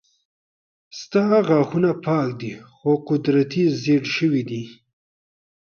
ستا غاښونه پاک دي خو قدرتي زيړ شوي دي